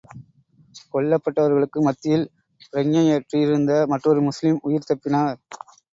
கொல்லப்பட்டவர்களுக்கு மத்தியில், பிரக்ஞையற்றிருந்த மற்றொரு முஸ்லிமும் உயிர் தப்பினார்.